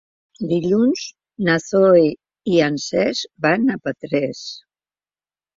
Dilluns na Zoè i en Cesc van a Petrés.